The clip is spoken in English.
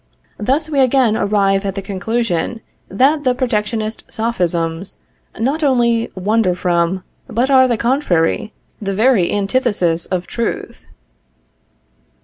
Thus we again arrive at the conclusion that the protectionist Sophisms not only wander from, but are the contrary the very antithesis of truth.